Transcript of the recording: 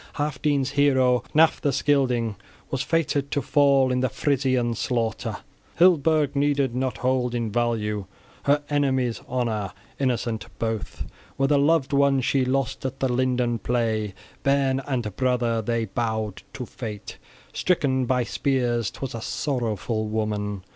{16d} Healfdene's hero, Hnaef the Scylding, was fated to fall in the Frisian slaughter. {16e} Hildeburh needed not hold in value her enemies' honor! {16f} Innocent both were the loved ones she lost at the linden play, bairn and brother, they bowed to fate, stricken by spears; 'twas a sorrowful woman!